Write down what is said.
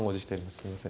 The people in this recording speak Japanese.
すいません。